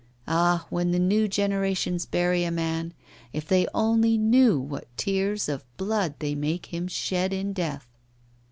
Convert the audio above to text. Ah! when the new generations bury a man, if they only knew what tears of blood they make him shed in death!